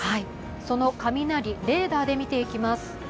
その雷、レーダーで見ていきます